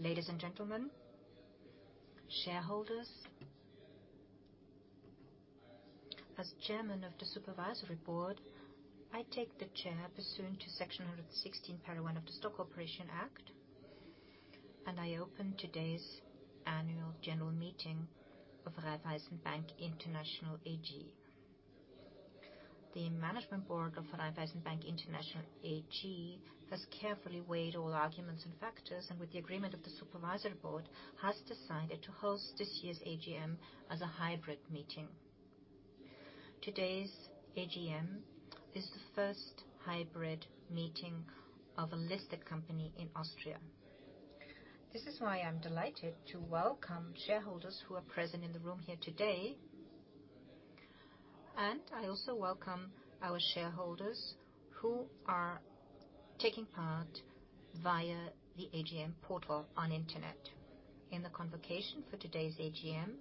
A very good morning, ladies and gentlemen, shareholders. As Chairman of the Supervisory Board, I take the chair pursuant to Section 116, paragraph 1 of the Stock Corporation Act, and I open today's annual general meeting of Raiffeisen Bank International AG. The Management Board of Raiffeisen Bank International AG has carefully weighed all arguments and factors, and with the agreement of the Supervisory Board, has decided to host this year's AGM as a hybrid meeting. Today's AGM is the first hybrid meeting of a listed company in Austria. This is why I'm delighted to welcome shareholders who present in the room here today, and I also welcome our shareholders who are taking part via the AGM portal on the internet. In the convocation for today's AGM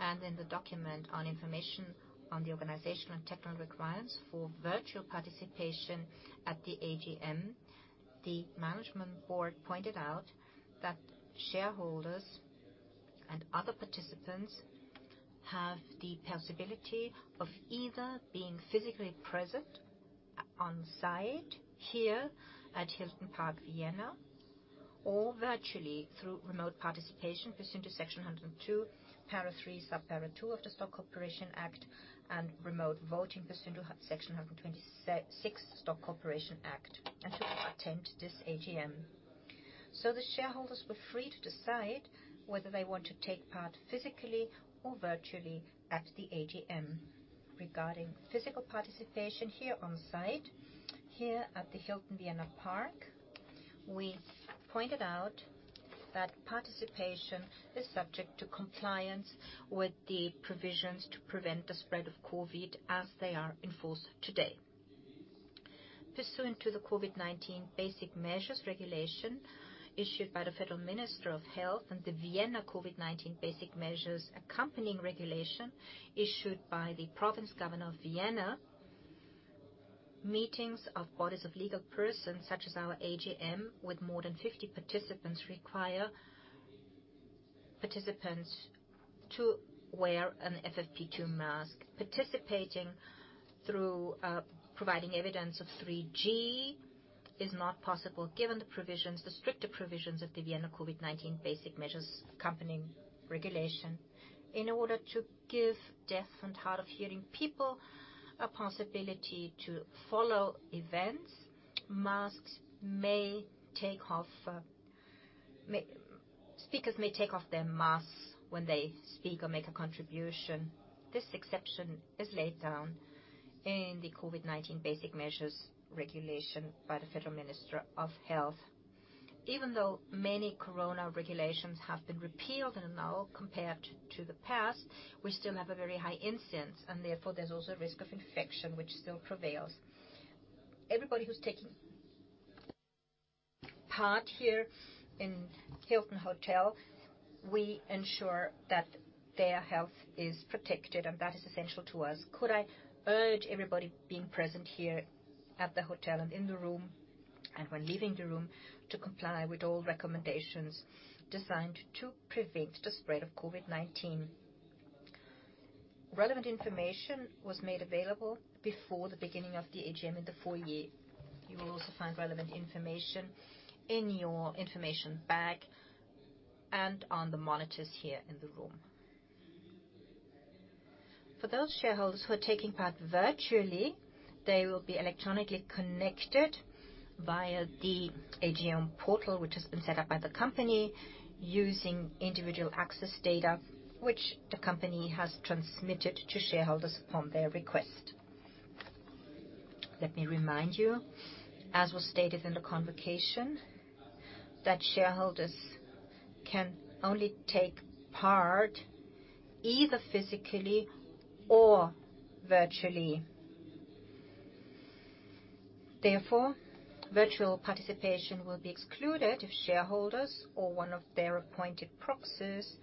and in the document on information on the organizational and technical requirements for virtual participation at the AGM, the management board pointed out that shareholders and other participants have the possibility of either being physically present on-site here at Hilton Vienna Park, or virtually through remote participation pursuant to Section 102, para. 3, sub-para. 2 of the Stock Corporation Act and remote voting pursuant to Section 126, Stock Corporation Act, and to attend this AGM. The shareholders were free to decide whether they want to take part physically or virtually at the AGM. Regarding physical participation here on-site, here at the Hilton Vienna Park, we pointed out that participation is subject to compliance with the provisions to prevent the spread of COVID as they are in force today. Pursuant to the COVID-19 Basic Measures Regulation issued by the Federal Minister of Health and the Vienna COVID-19 Basic Measures Accompanying Regulation issued by the Province Governor of Vienna, meetings of bodies of legal persons such as our AGM, with more than 50 participants, require participants to wear an FFP2 mask. Participating through providing evidence of 3G is not possible given the provisions, the stricter provisions of the Vienna COVID-19 Basic Measures Accompanying Regulation. In order to give deaf and hard of hearing people a possibility to follow events, speakers may take off their masks when they speak or make a contribution. This exception is laid down in the COVID-19 Basic Measures Regulation by the Federal Minister of Health. Even though many corona regulations have been repealed and are null compared to the past, we still have a very high incidence, and therefore, there's also a risk of infection which still prevails. Everybody who's taking part here in Hilton Vienna Park, we ensure that their health is protected, and that is essential to us. Could I urge everybody being present here at the hotel and in the room, and when leaving the room, to comply with all recommendations designed to prevent the spread of COVID-19. Relevant information was made available before the beginning of the AGM in the foyer. You will also find relevant information in your information bag and on the monitors here in the room. For those shareholders who are taking part virtually, they will be electronically connected via the AGM portal, which has been set up by the company using individual access data which the company has transmitted to shareholders upon their request. Let me remind you, as was stated in the convocation, that shareholders can only take part either physically or virtually. Therefore, virtual participation will be excluded if shareholders or one of their appointed proxies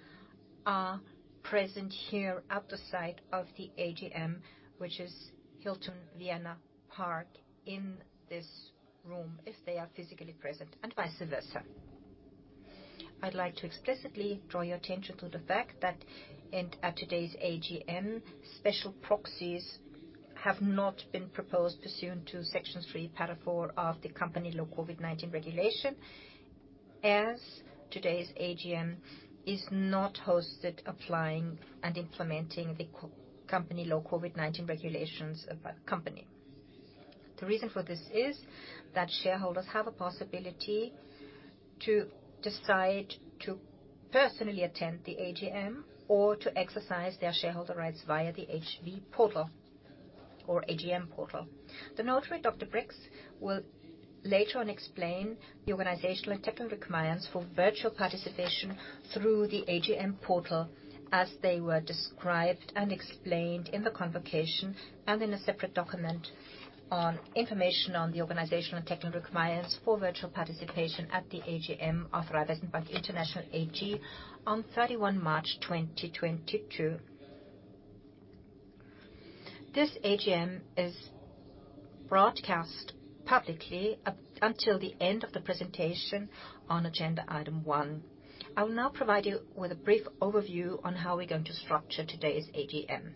are present here at the site of the AGM, which is Hilton Vienna Park in this room, if they are physically present, and vice versa. I'd like to explicitly draw your attention to the fact that at today's AGM, special proxies have not been proposed pursuant to Section 3, para. 4 of the COVID-19 Corporate Law Regulation, as today's AGM is not hosted applying and implementing the COVID-19 Corporate Law Regulations of our company. The reason for this is that shareholders have a possibility to decide to personally attend the AGM or to exercise their shareholder rights via the HV portal or AGM portal. The notary, Dr. Brix, will later on explain the organizational and technical requirements for virtual participation through the AGM portal as they were described and explained in the convocation and in a separate document on information on the organizational and technical requirements for virtual participation at the AGM of Raiffeisen Bank International AG on 31 March 2022. This AGM is broadcast publicly up until the end of the presentation on agenda item one. I will now provide you with a brief overview on how we're going to structure today's AGM.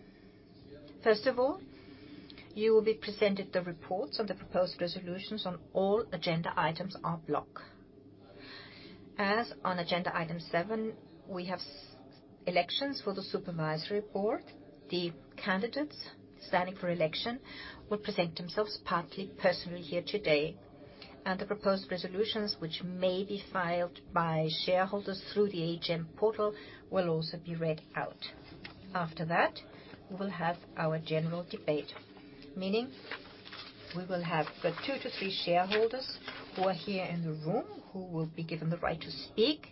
First of all, you will be presented the reports on the proposed resolutions on all agenda items en bloc. As on agenda item 7, we have elections for the Supervisory Board. The candidates standing for election will present themselves partly personally here today, and the proposed resolutions, which may be filed by shareholders through the AGM portal, will also be read out. After that, we will have our general debate, meaning we will have the 2-3 shareholders who are here in the room who will be given the right to speak,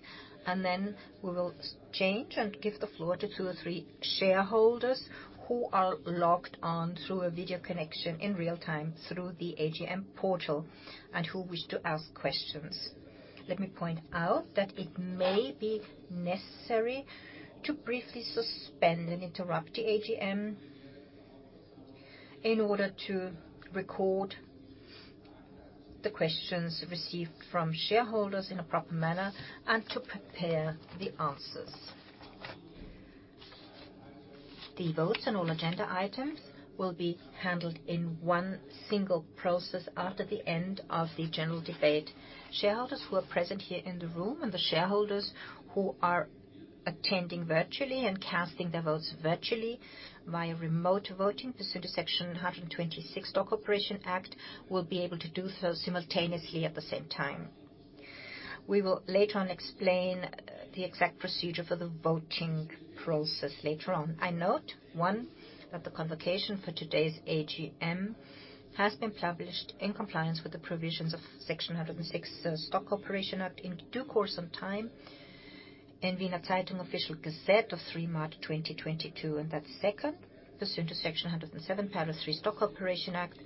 and then we will change and give the floor to 2-3 shareholders who are logged on through a video connection in real-time through the AGM portal and who wish to ask questions. Let me point out that it may be necessary to briefly suspend and interrupt the AGM in order to record the questions received from shareholders in a proper manner and to prepare the answers. The votes on all agenda items will be handled in one single process after the end of the general debate. Shareholders who are present here in the room and the shareholders who are attending virtually and casting their votes virtually via remote voting pursuant to Section 126 Stock Corporation Act will be able to do so simultaneously at the same time. We will later on explain the exact procedure for the voting process later on. I note, one, that the convocation for today's AGM has been published in compliance with the provisions of Section 106, the Stock Corporation Act, in due course of time in Wiener Zeitung, official gazette of 3 March 2022. That second, pursuant to Section 107, para 3, Stock Corporation Act,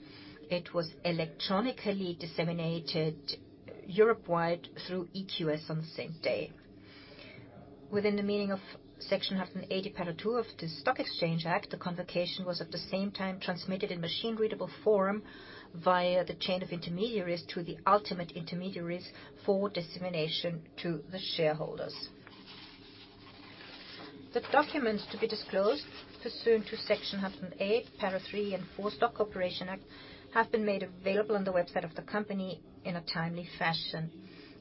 it was electronically disseminated Europe-wide through EQS on the same day. Within the meaning of Section 180, para. 2 of the Stock Exchange Act, the convocation was at the same time transmitted in machine-readable form via the chain of intermediaries to the ultimate intermediaries for dissemination to the shareholders. The documents to be disclosed pursuant to Section 108, para. 3 and 4, Stock Corporation Act, have been made available on the website of the company in a timely fashion.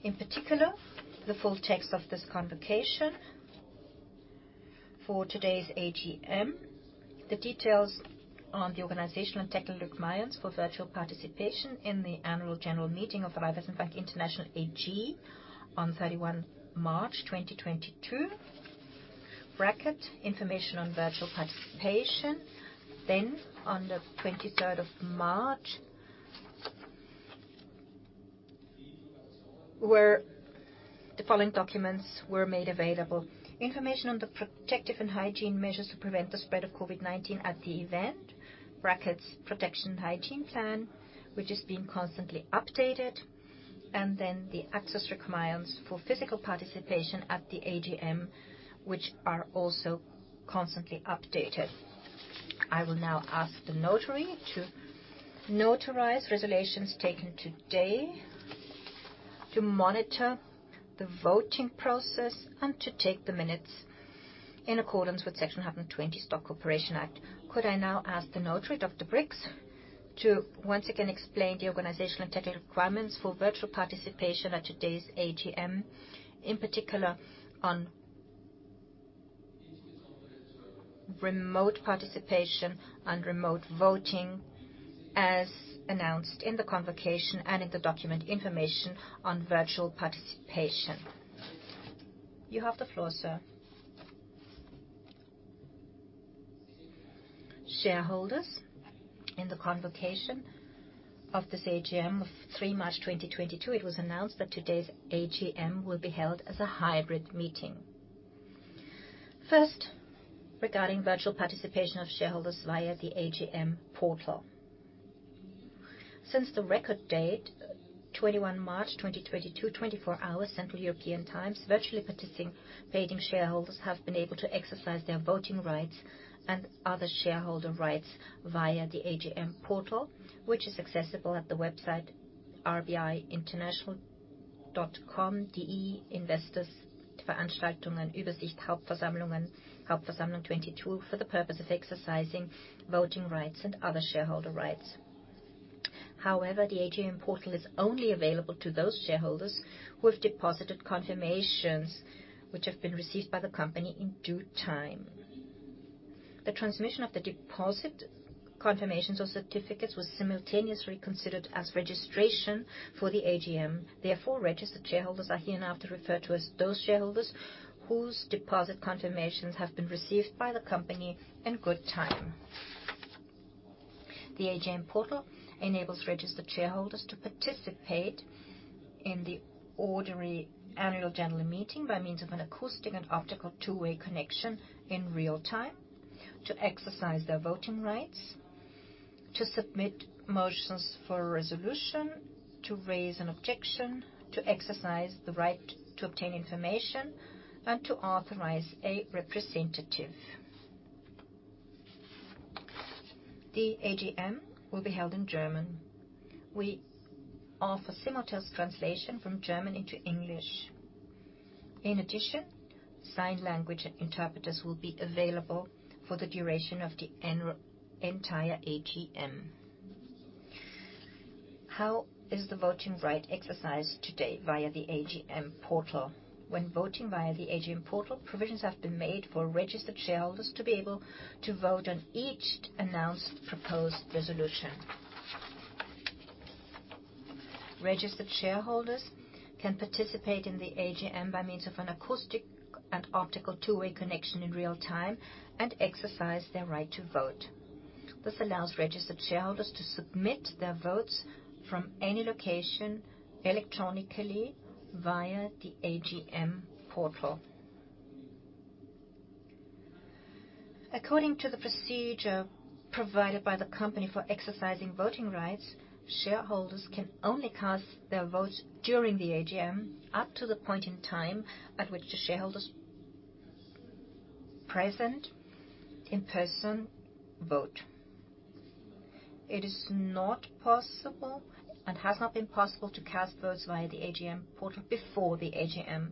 In particular, the full text of this convocation for today's AGM, the details on the organizational and technical requirements for virtual participation in the annual general meeting of Raiffeisen Bank International AG on 31 March 2022 (information on virtual participation). On the twenty-third of March, the following documents were made available: Information on the protective and hygiene measures to prevent the spread of COVID-19 at the event, (protection hygiene plan), which is being constantly updated, and then the access requirements for physical participation at the AGM, which are also constantly updated. I will now ask the notary to notarize resolutions taken today, to monitor the voting process, and to take the minutes in accordance with Section 120, Stock Corporation Act. Could I now ask the notary, Dr. Brix, to once again explain the organizational and technical requirements for virtual participation at today's AGM, in particular on remote participation and remote voting, as announced in the convocation and in the document information on virtual participation? You have the floor, sir. Shareholders, in the convocation of this AGM of 3 March 2022, it was announced that today's AGM will be held as a hybrid meeting. First, regarding virtual participation of shareholders via the AGM portal. Since the record date, 21 March 2022, 24 hours Central European Time, virtually participating shareholders have been able to exercise their voting rights and other shareholder rights via the AGM portal, which is accessible at the website rbinternational.com/de/investors. To submit motions for resolution, to raise an objection, to exercise the right to obtain information, and to authorize a representative. The AGM will be held in German. We offer simultaneous translation from German into English. In addition, sign language interpreters will be available for the duration of the entire AGM. How is the voting right exercised today via the AGM portal? When voting via the AGM portal, provisions have been made for registered shareholders to be able to vote on each announced proposed resolution. Registered shareholders can participate in the AGM by means of an acoustic and optical two-way connection in real time and exercise their right to vote. This allows registered shareholders to submit their votes from any location electronically via the AGM portal. According to the procedure provided by the company for exercising voting rights, shareholders can only cast their votes during the AGM up to the point in time at which the shareholders present in person vote. It is not possible and has not been possible to cast votes via the AGM portal before the AGM.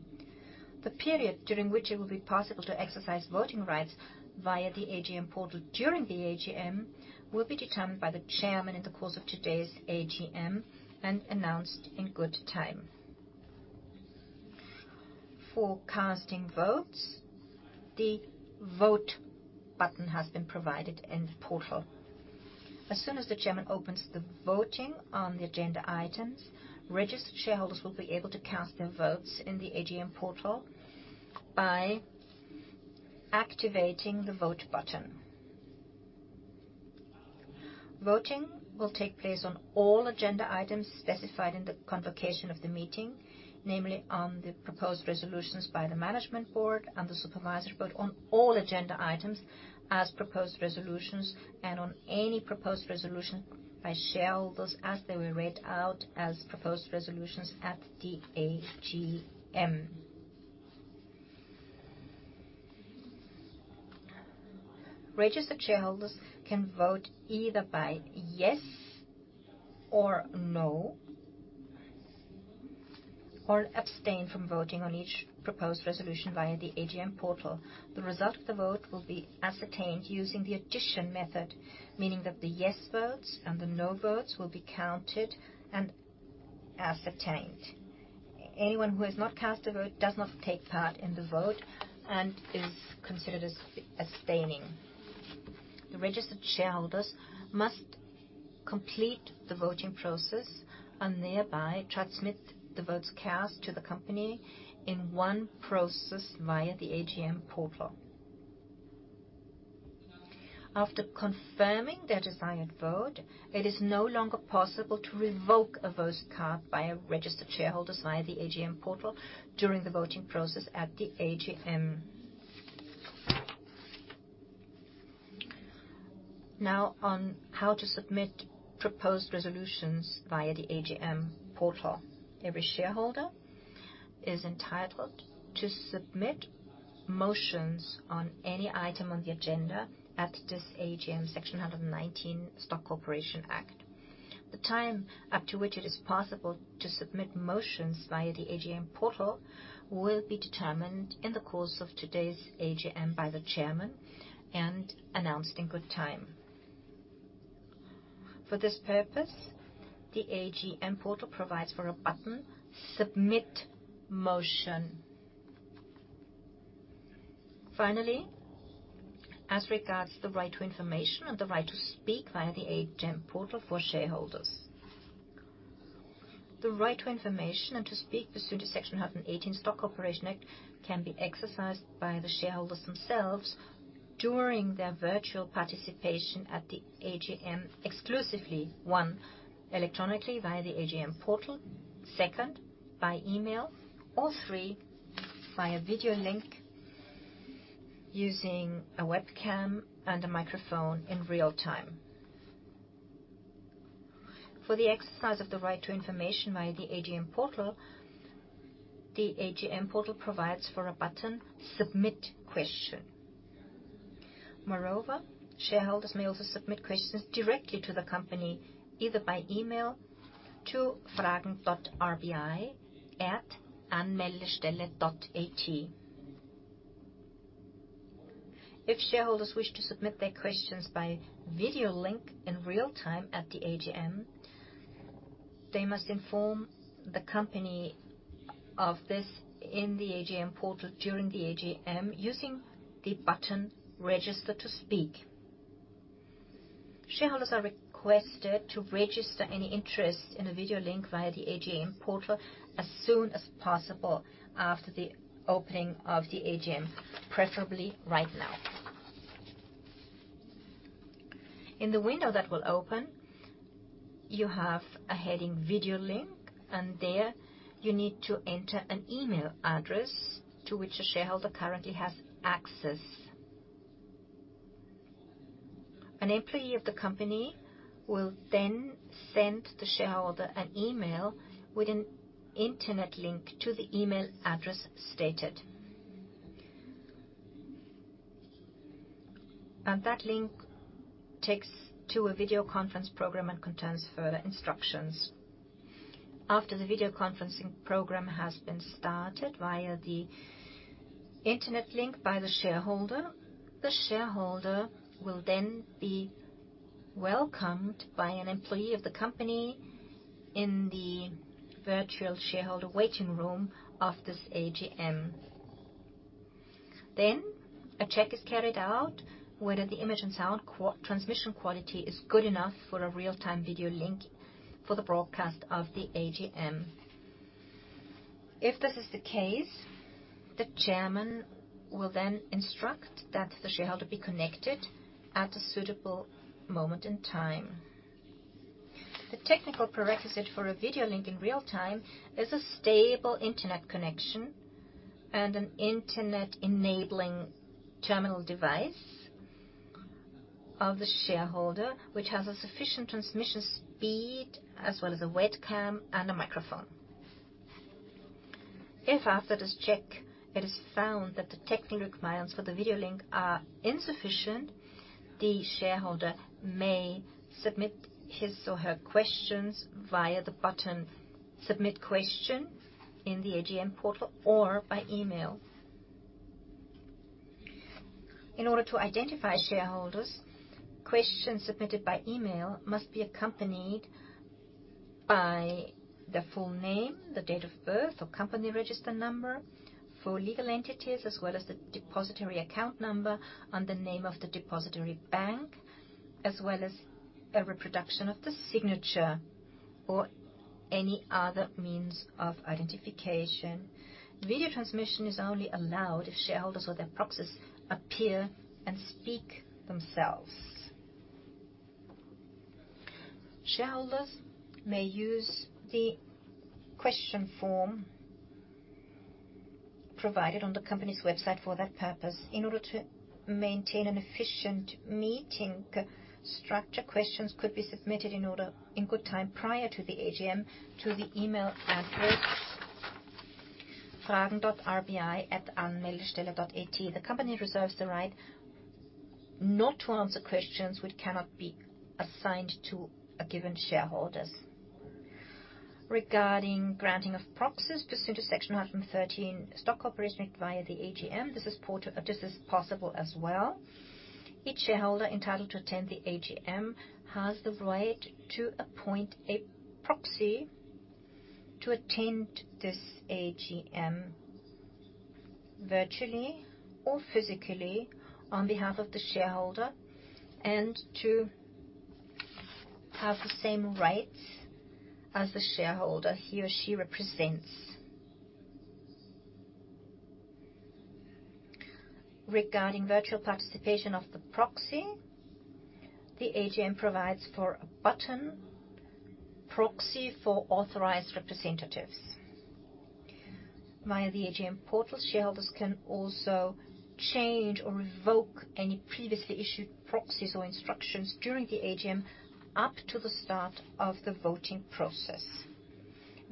The period during which it will be possible to exercise voting rights via the AGM portal during the AGM will be determined by the chairman in the course of today's AGM and announced in good time. For casting votes, the Vote button has been provided in the portal. As soon as the chairman opens the voting on the agenda items, registered shareholders will be able to cast their votes in the AGM portal by activating the Vote button. Voting will take place on all agenda items specified in the convocation of the meeting, namely on the proposed resolutions by the management board and the supervisory board on all agenda items as proposed resolutions and on any proposed resolution by shareholders as they were read out as proposed resolutions at the AGM. Registered shareholders can vote either by yes or no, or abstain from voting on each proposed resolution via the AGM portal. The result of the vote will be ascertained using the addition method, meaning that the yes votes and the no votes will be counted and ascertained. Anyone who has not cast a vote does not take part in the vote and is considered as abstaining. Registered shareholders must complete the voting process and thereby transmit the votes cast to the company in one process via the AGM portal. After confirming their desired vote, it is no longer possible to revoke a vote cast by a registered shareholder via the AGM portal during the voting process at the AGM. Now on how to submit proposed resolutions via the AGM portal. Every shareholder is entitled to submit motions on any item on the agenda at this AGM, Section 119, Stock Corporation Act. The time up to which it is possible to submit motions via the AGM portal will be determined in the course of today's AGM by the chairman and announced in good time. For this purpose, the AGM portal provides for a button, Submit Motion. Finally, as regards the right to information and the right to speak via the AGM portal for shareholders, the right to information and to speak pursuant to Section 118, Stock Corporation Act can be exercised by the shareholders themselves during their virtual participation at the AGM exclusively, one, electronically via the AGM portal, second, by email, or three, by a video link using a webcam and a microphone in real time. For the exercise of the right to information via the AGM portal, the AGM portal provides for a button, Submit Question. Moreover, shareholders may also submit questions directly to the company, either by email to fragen.rbi@anmeldestelle.at. If shareholders wish to submit their questions by video link in real time at the AGM, they must inform the company of this in the AGM portal during the AGM using the button, Register to Speak. Shareholders are requested to register any interest in a video link via the AGM portal as soon as possible after the opening of the AGM, preferably right now. In the window that will open, you have a heading video link, and there you need to enter an email address to which a shareholder currently has access. An employee of the company will then send the shareholder an email with an internet link to the email address stated. That link takes to a video conference program and contains further instructions. After the video conferencing program has been started via the internet link by the shareholder, the shareholder will then be welcomed by an employee of the company in the virtual shareholder waiting room of this AGM. A check is carried out whether the image and sound transmission quality is good enough for a real-time video link for the broadcast of the AGM. If this is the case, the chairman will then instruct that the shareholder be connected at a suitable moment in time. The technical prerequisite for a video link in real time is a stable internet connection and an internet-enabling terminal device of the shareholder, which has a sufficient transmission speed as well as a webcam and a microphone. If after this check, it is found that the technical requirements for the video link are insufficient, the shareholder may submit his or her questions via the button Submit Question in the AGM portal or by email. In order to identify shareholders, questions submitted by email must be accompanied by their full name, their date of birth or company register number for legal entities, as well as the depository account number and the name of the depository bank, as well as a reproduction of the signature or any other means of identification. Video transmission is only allowed if shareholders or their proxies appear and speak themselves. Shareholders may use the question form provided on the company's website for that purpose. In order to maintain an efficient meeting structure, questions could be submitted in good time prior to the AGM to the email address fragen.rbi@anmeldestelle.at. The company reserves the right not to answer questions which cannot be assigned to given shareholders. Regarding granting of proxies pursuant to Section 113, Stock Corporation Act via the AGM, this is possible as well. Each shareholder entitled to attend the AGM has the right to appoint a proxy to attend this AGM virtually or physically on behalf of the shareholder and to have the same rights as the shareholder he or she represents. Regarding virtual participation of the proxy, the AGM provides for a button, proxy for authorized representatives. Via the AGM portal, shareholders can also change or revoke any previously issued proxies or instructions during the AGM up to the start of the voting process.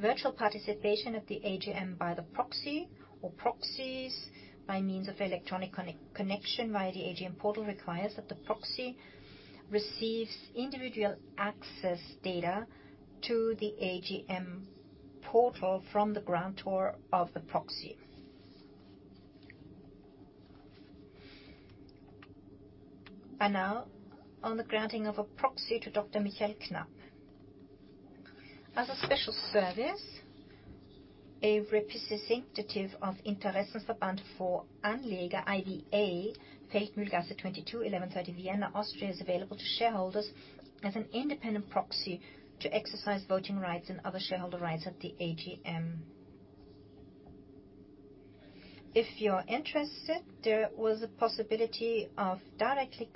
Virtual participation at the AGM by the proxy or proxies by means of electronic connection via the AGM portal requires that the proxy receives individual access data to the AGM portal from the grantor of the proxy. Now, on the granting of a proxy to Dr. Michael Knap. As a special service, a representative of Interessenverband für Anleger, IVA, Feldmühlgasse 22, 1130 Vienna, Austria, is available to shareholders as an independent proxy to exercise voting rights and other shareholder rights at the AGM. If you're interested, there was a possibility of directly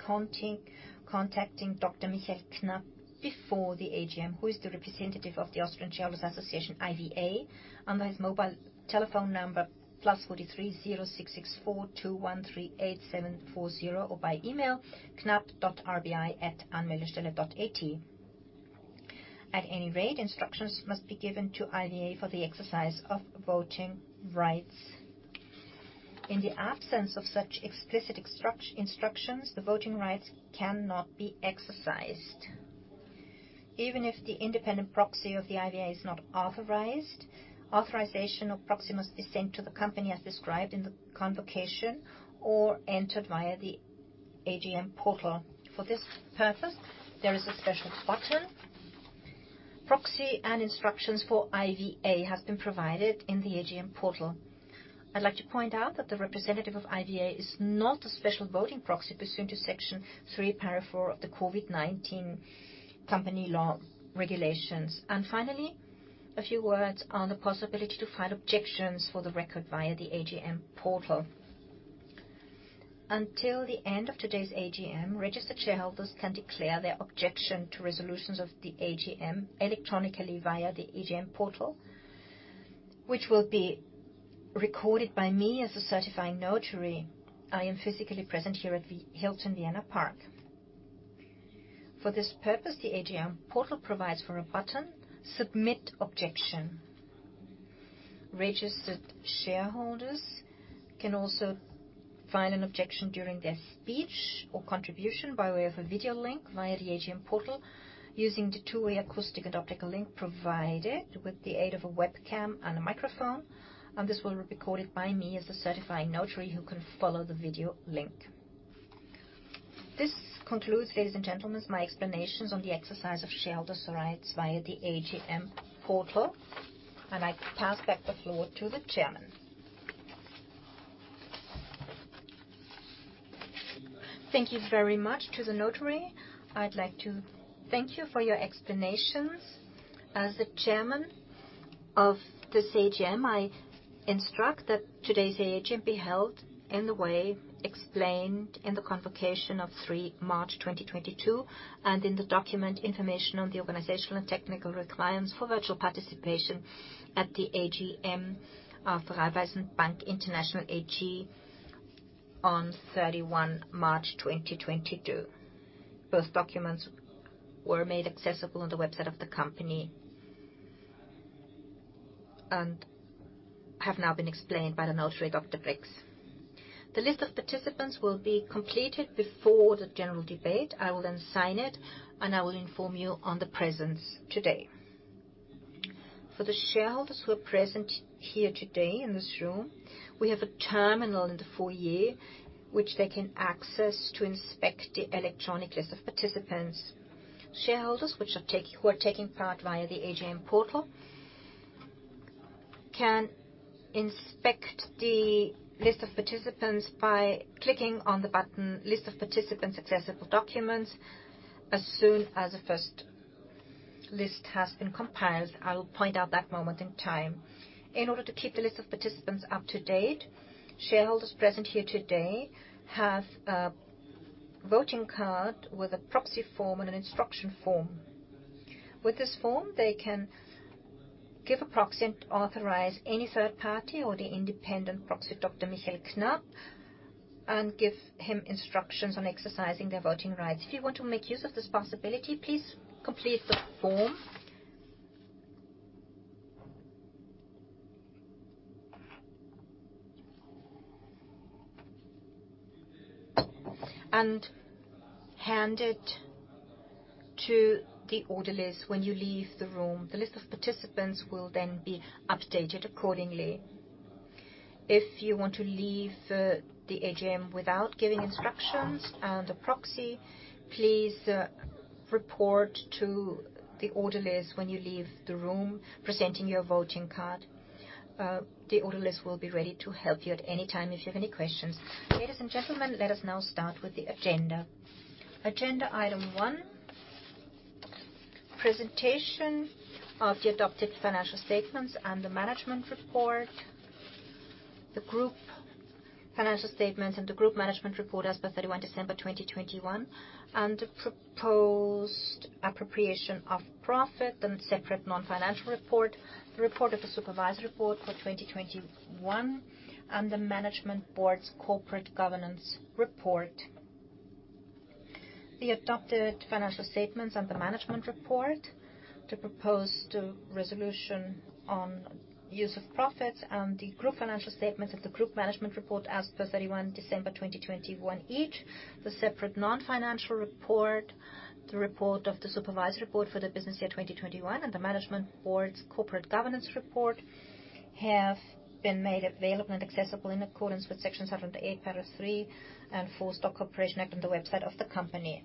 contacting Dr. Michael Knap before the AGM, who is the representative of the Austrian Shareholders Association, IVA, on his mobile telephone number +43 664 2138740, or by email knap.rbi@anmeldestelle.at. At any rate, instructions must be given to IVA for the exercise of voting rights. In the absence of such explicit instructions, the voting rights cannot be exercised. Even if the independent proxy of the IVA is not authorized, authorization of proxy must be sent to the company as described in the convocation or entered via the AGM portal. For this purpose, there is a special button. Proxy and instructions for IVA have been provided in the AGM portal. I'd like to point out that the representative of IVA is not a special voting proxy pursuant to Section three, paragraph four of the COVID-19 Corporate Law Regulation. Finally, a few words on the possibility to file objections for the record via the AGM portal. Until the end of today's AGM, registered shareholders can declare their objection to resolutions of the AGM electronically via the AGM portal, which will be recorded by me as a certifying notary. I am physically present here at the Hilton Vienna Park. For this purpose, the AGM portal provides for a button, Submit Objection. Registered shareholders can also file an objection during their speech or contribution by way of a video link via the AGM portal using the two-way acoustic and optical link provided with the aid of a webcam and a microphone, and this will be recorded by me as a certifying notary who can follow the video link. This concludes, ladies and gentlemen, my explanations on the exercise of shareholders' rights via the AGM portal, and I pass back the floor to the chairman. Thank you very much to the notary. I'd like to thank you for your explanations. As the chairman of this AGM, I instruct that today's AGM be held in the way explained in the convocation of March 3, 2022, and in the document information on the organizational and technical requirements for virtual participation at the AGM of Raiffeisen Bank International AG on March 31, 2022. Both documents were made accessible on the website of the company and have now been explained by the notary, Dr. Brix. The list of participants will be completed before the general debate. I will then sign it, and I will inform you on the presence today. For the shareholders who are present here today in this room, we have a terminal in the foyer which they can access to inspect the electronic list of participants. Shareholders which are taking part via the AGM portal can inspect the list of participants by clicking on the button List of Participants Accessible Documents as soon as the first list has been compiled. I will point out that moment in time. In order to keep the list of participants up to date, shareholders present here today have a voting card with a proxy form and an instruction form. With this form, they can give a proxy and authorize any third party or the independent proxy, Dr. Michael Knap, and give him instructions on exercising their voting rights. If you want to make use of this possibility, please complete the form. Hand it to the orderlies when you leave the room. The list of participants will then be updated accordingly. If you want to leave the AGM without giving instructions and a proxy, please report to the orderlies when you leave the room, presenting your voting card. The orderlies will be ready to help you at any time if you have any questions. Ladies and gentlemen, let us now start with the agenda. Agenda item one: presentation of the adopted financial statements and the management report, the group financial statements and the group management report as per 31 December 2021, and the proposed appropriation of profit and separate non-financial report, the report of the Supervisory Board for 2021, and the Management Board's corporate governance report. The adopted financial statements and the management report, the proposed resolution on use of profits and the group financial statements of the group management report as per 31 December 2021 each, the separate non-financial report, the report of the Supervisory Board for the business year 2021, and the Management Board's corporate governance report have been made available and accessible in accordance with Section 7 to 8, Paragraph 3 and 4, Stock Corporation Act on the website of the company.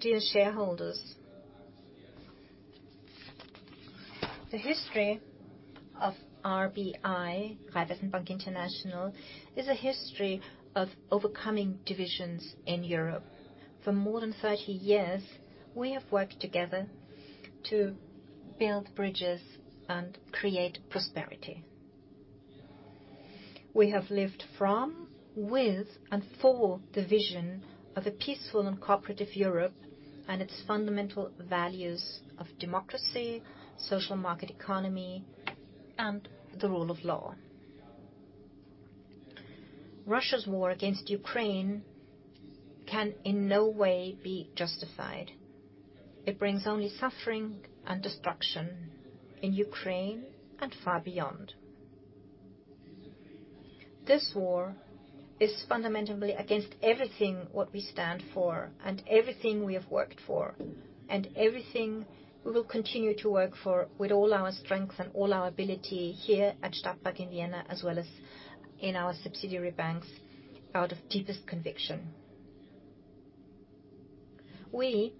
Dear shareholders, the history of RBI, Raiffeisen Bank International, is a history of overcoming divisions in Europe. For more than 30 years, we have worked together to build bridges and create prosperity. We have lived from, with, and for the vision of a peaceful and cooperative Europe and its fundamental values of democracy, social market economy, and the rule of law. Russia's war against Ukraine can in no way be justified. It brings only suffering and destruction in Ukraine and far beyond. This war is fundamentally against everything what we stand for and everything we have worked for and everything we will continue to work for with all our strength and all our ability here at Stadtpark in Vienna, as well as in our subsidiary banks, out of deepest conviction. We,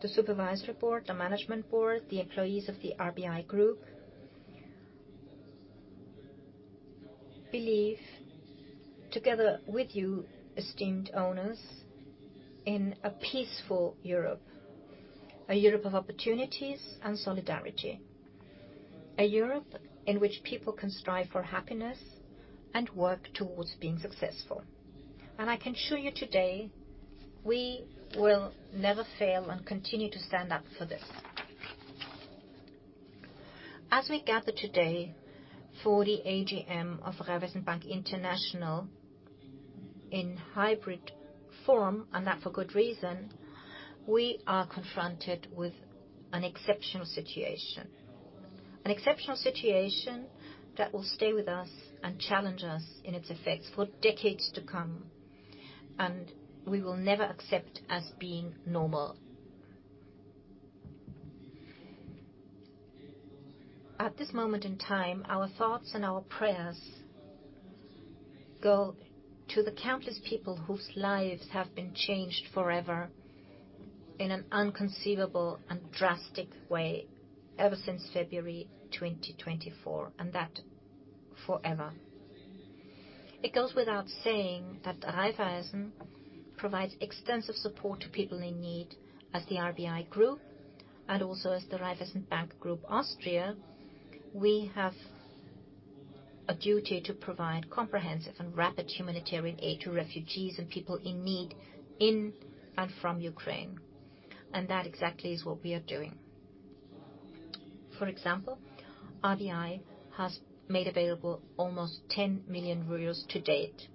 the Supervisory Board, the Management Board, the employees of the RBI Group, believe. Together with you, esteemed owners, in a peaceful Europe, a Europe of opportunities and solidarity, a Europe in which people can strive for happiness and work towards being successful. I can assure you today, we will never fail and continue to stand up for this. As we gather today for the AGM of Raiffeisen Bank International in hybrid form, and that for good reason, we are confronted with an exceptional situation, an exceptional situation that will stay with us and challenge us in its effects for decades to come. We will never accept as being normal. At this moment in time, our thoughts and our prayers go to the countless people whose lives have been changed forever in an inconceivable and drastic way ever since February 2024, and that forever. It goes without saying that Raiffeisen provides extensive support to people in need as the RBI Group and also as the Raiffeisen Banking Group Austria. We have a duty to provide comprehensive and rapid humanitarian aid to refugees and people in need in and from Ukraine. That exactly is what we are doing. For example, RBI has made available almost 10 million euros to date.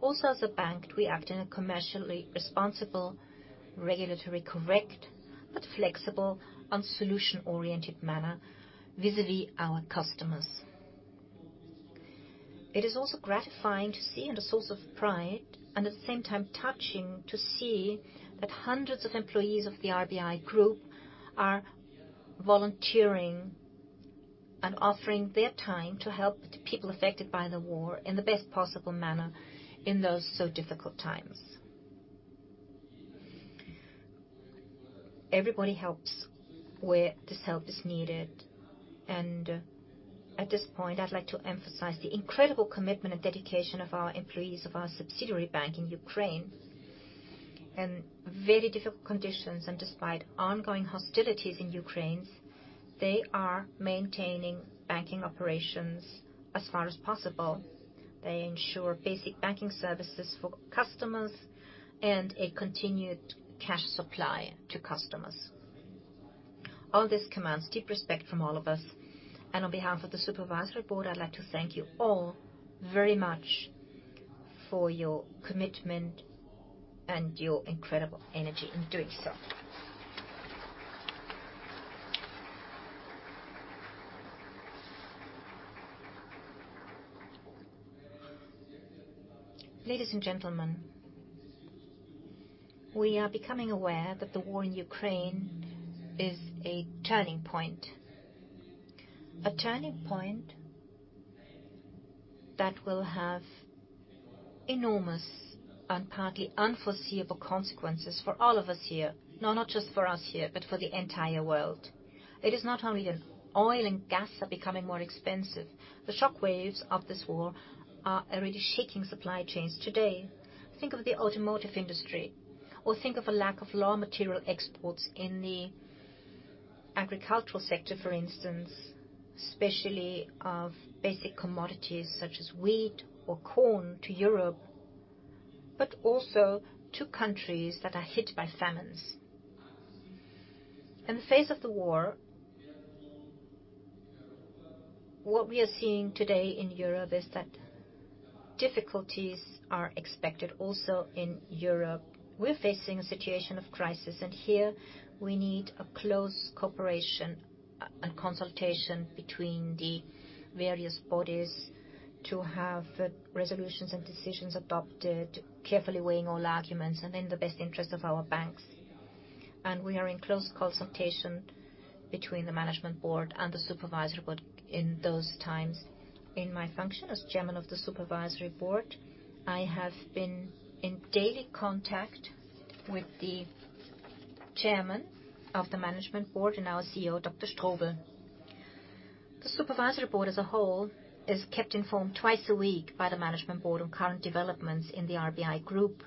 Also as a bank, we act in a commercially responsible, regulatory correct, but flexible and solution-oriented manner vis-à-vis our customers. It is also gratifying to see and a source of pride and at the same time touching to see that hundreds of employees of the RBI Group are volunteering and offering their time to help the people affected by the war in the best possible manner in those so difficult times. Everybody helps where this help is needed. At this point, I'd like to emphasize the incredible commitment and dedication of our employees of our subsidiary bank in Ukraine. In very difficult conditions and despite ongoing hostilities in Ukraine, they are maintaining banking operations as far as possible. They ensure basic banking services for customers and a continued cash supply to customers. All this commands deep respect from all of us. On behalf of the Supervisory Board, I'd like to thank you all very much for your commitment and your incredible energy in doing so. Ladies and gentlemen, we are becoming aware that the war in Ukraine is a turning point, a turning point that will have enormous and partly unforeseeable consequences for all of us here. No, not just for us here, but for the entire world. It is not only that oil and gas are becoming more expensive. The shockwaves of this war are already shaking supply chains today. Think of the automotive industry, or think of a lack of raw material exports in the agricultural sector, for instance, especially of basic commodities such as wheat or corn to Europe, but also to countries that are hit by famines. In the face of the war, what we are seeing today in Europe is that difficulties are expected also in Europe. We're facing a situation of crisis, and here we need a close cooperation, and consultation between the various bodies to have resolutions and decisions adopted, carefully weighing all arguments and in the best interest of our banks. We are in close consultation between the management board and the supervisory board in those times. In my function as Chairman of the Supervisory Board, I have been in daily contact with the Chairman of the Management Board and our CEO, Dr. Strobl. The Supervisory Board as a whole is kept informed twice a week by the Management Board on current developments in the RBI Group,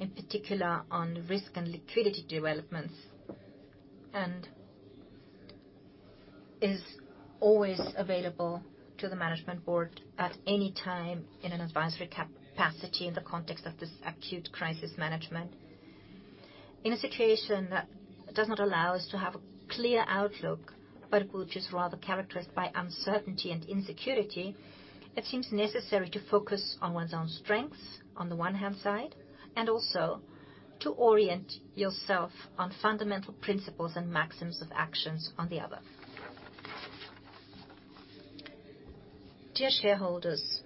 in particular on risk and liquidity developments, and is always available to the Management Board at any time in an advisory capacity in the context of this acute crisis management. In a situation that does not allow us to have a clear outlook, but which is rather characterized by uncertainty and insecurity, it seems necessary to focus on one's own strengths on the one hand side, and also to orient yourself on fundamental principles and maxims of actions on the other. Dear shareholders,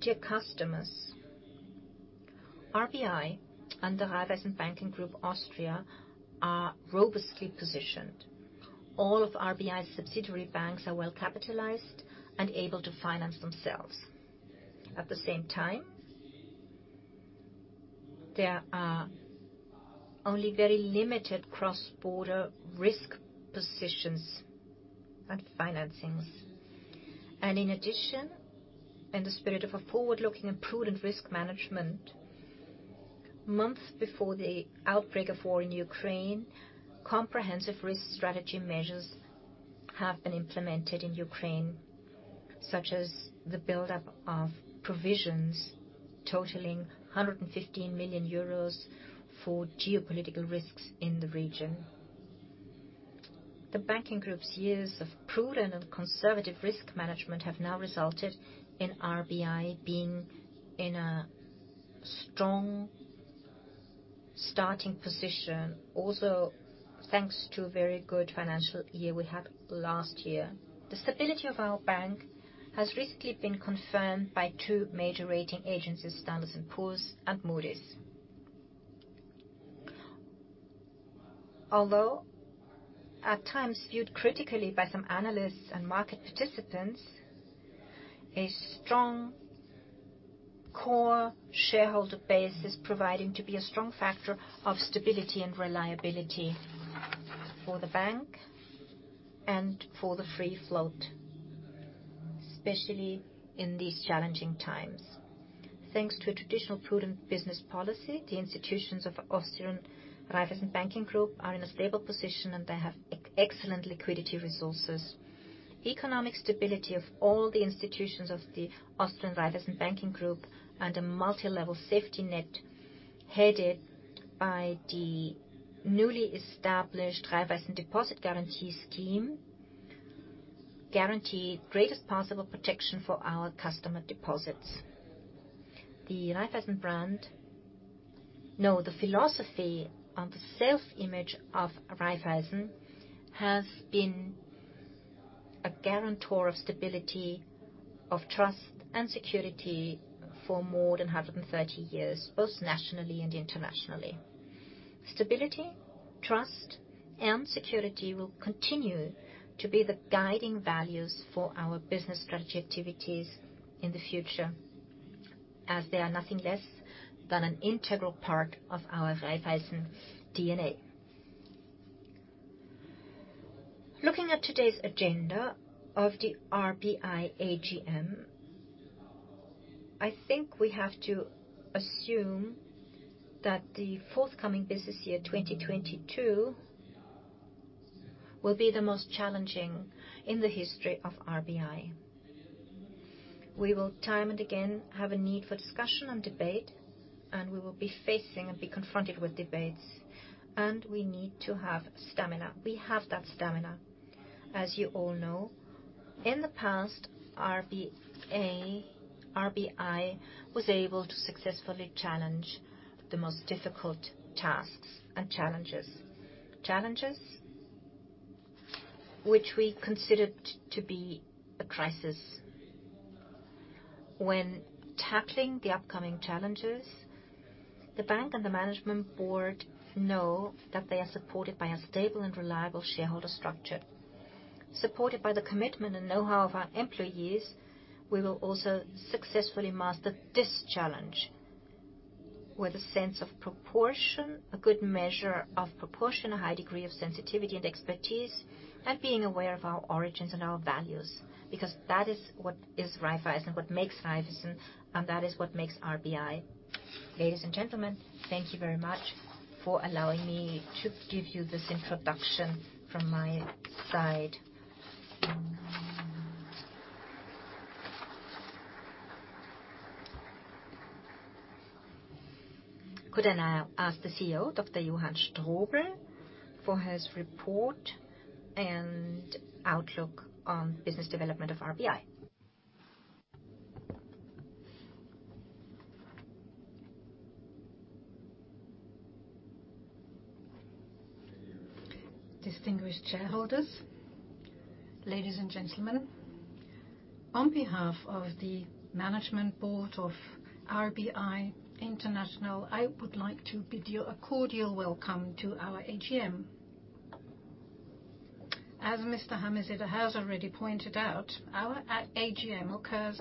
dear customers, RBI and the Raiffeisen Banking Group Austria are robustly positioned. All of RBI's subsidiary banks are well-capitalized and able to finance themselves. At the same time, there are only very limited cross-border risk positions and financings. In addition, in the spirit of a forward-looking and prudent risk management, months before the outbreak of war in Ukraine, comprehensive risk strategy measures have been implemented in Ukraine, such as the buildup of provisions totaling 115 million euros for geopolitical risks in the region. The banking group's years of prudent and conservative risk management have now resulted in RBI being in a strong starting position, also thanks to a very good financial year we had last year. The stability of our bank has recently been confirmed by two major rating agencies, Standard & Poor's and Moody's. Although at times viewed critically by some analysts and market participants, a strong core shareholder base is proving to be a strong factor of stability and reliability for the bank and for the free float, especially in these challenging times. Thanks to a traditional prudent business policy, the institutions of Austrian Raiffeisen Banking Group are in a stable position, and they have excellent liquidity resources. Economic stability of all the institutions of the Austrian Raiffeisen Banking Group and a multilevel safety net, headed by the newly established Raiffeisen Deposit Guarantee Scheme, guarantee greatest possible protection for our customer deposits. The philosophy and the self-image of Raiffeisen has been a guarantor of stability, of trust, and security for more than 130 years, both nationally and internationally. Stability, trust, and security will continue to be the guiding values for our business strategy activities in the future, as they are nothing less than an integral part of our Raiffeisen DNA. Looking at today's agenda of the RBI AGM, I think we have to assume that the forthcoming business year 2022 will be the most challenging in the history of RBI. We will time and again have a need for discussion and debate, and we will be facing and be confronted with debates, and we need to have stamina. We have that stamina. As you all know, in the past, RBI was able to successfully challenge the most difficult tasks and challenges which we considered to be a crisis. When tackling the upcoming challenges, the bank and the management board know that they are supported by a stable and reliable shareholder structure. Supported by the commitment and know-how of our employees, we will also successfully master this challenge with a sense of proportion, a good measure of proportion, a high degree of sensitivity and expertise, and being aware of our origins and our values, because that is what is Raiffeisen, what makes Raiffeisen, and that is what makes RBI. Ladies and gentlemen, thank you very much for allowing me to give you this introduction from my side. Could I now ask the CEO, Dr. Johann Strobl, for his report and outlook on business development of RBI? Distinguished shareholders, ladies and gentlemen. On behalf of the management board of RBI International, I would like to bid you a cordial welcome to our AGM. As Mr. Hameseder has already pointed out, our AGM occurs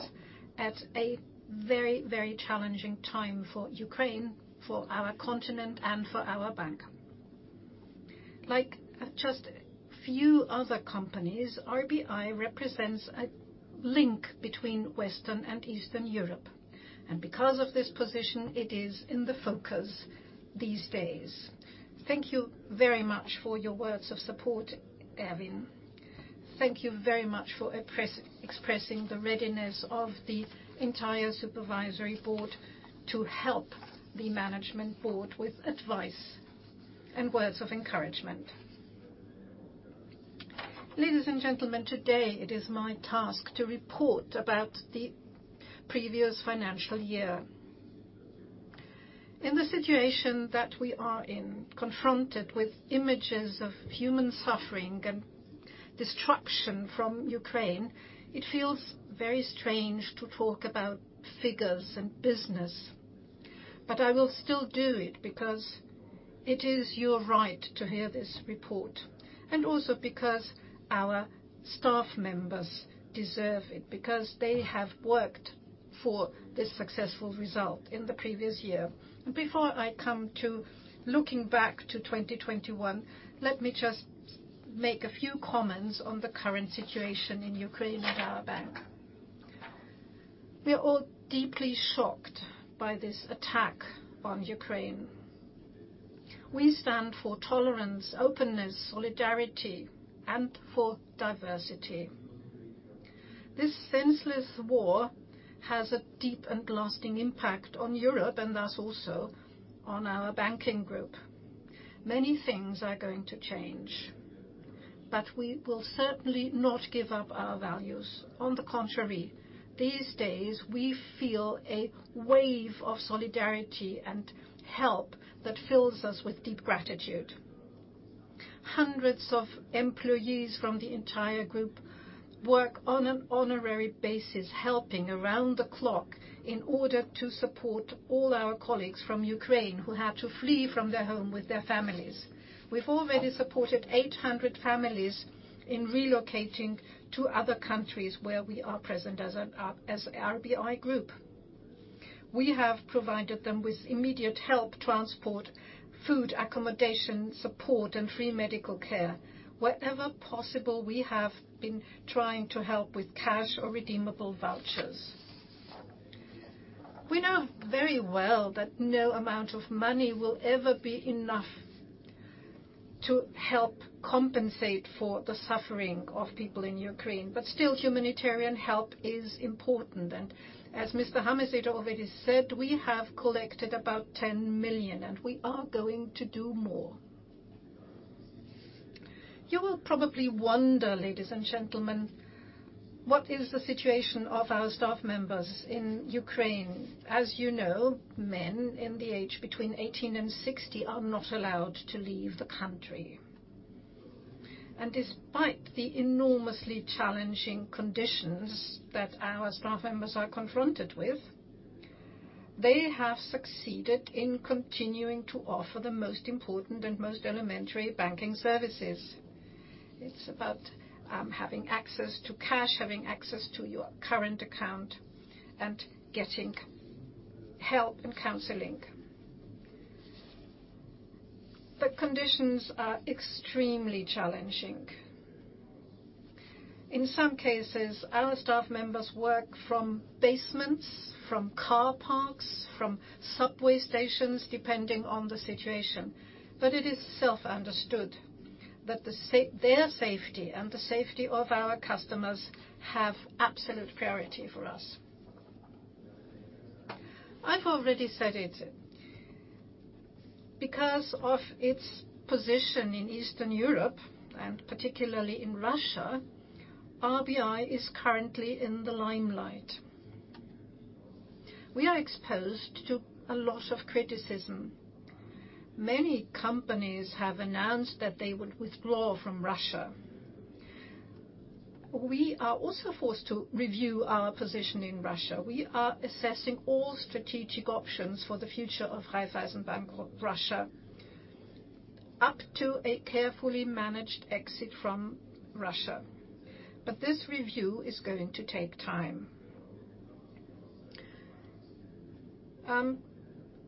at a very challenging time for Ukraine, for our continent, and for our bank. Like just a few other companies, RBI represents a link between Western and Eastern Europe, and because of this position, it is in the focus these days. Thank you very much for your words of support, Erwin. Thank you very much for expressing the readiness of the entire supervisory board to help the management board with advice and words of encouragement. Ladies and gentlemen, today it is my task to report about the previous financial year. In the situation that we are in, confronted with images of human suffering and destruction from Ukraine, it feels very strange to talk about figures and business. I will still do it because it is your right to hear this report, and also because our staff members deserve it, because they have worked for this successful result in the previous year. Before I come to looking back to 2021, let me just make a few comments on the current situation in Ukraine and our bank. We are all deeply shocked by this attack on Ukraine. We stand for tolerance, openness, solidarity, and for diversity. This senseless war has a deep and lasting impact on Europe, and thus also on our banking group. Many things are going to change, but we will certainly not give up our values. On the contrary, these days, we feel a wave of solidarity and help that fills us with deep gratitude. Hundreds of employees from the entire group work on an honorary basis, helping around the clock in order to support all our colleagues from Ukraine who had to flee from their home with their families. We've already supported 800 families in relocating to other countries where we are present as a RBI Group. We have provided them with immediate help, transport, food, accommodation, support, and free medical care. Wherever possible, we have been trying to help with cash or redeemable vouchers. We know very well that no amount of money will ever be enough to help compensate for the suffering of people in Ukraine, but still, humanitarian help is important. As Mr. Hameseder already said, we have collected about 10 million, and we are going to do more. You will probably wonder, ladies and gentlemen, what is the situation of our staff members in Ukraine? As you know, men in the age between 18 and 60 are not allowed to leave the country. Despite the enormously challenging conditions that our staff members are confronted with, they have succeeded in continuing to offer the most important and most elementary banking services. It's about having access to cash, having access to your current account, and getting help and counseling. Conditions are extremely challenging. In some cases, our staff members work from basements, from car parks, from subway stations, depending on the situation. It is self-understood that their safety and the safety of our customers have absolute priority for us. I've already said it. Because of its position in Eastern Europe, and particularly in Russia, RBI is currently in the limelight. We are exposed to a lot of criticism. Many companies have announced that they would withdraw from Russia. We are also forced to review our position in Russia. We are assessing all strategic options for the future of Raiffeisen ank Russia up to a carefully managed exit from Russia. But this review is going to take time.